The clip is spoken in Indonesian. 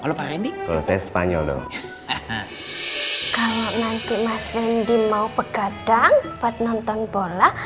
kalau nanti mas randy mau pegadang buat nonton bola